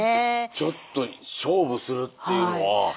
ちょっと勝負するっていうのは。